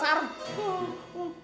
tangan gua udah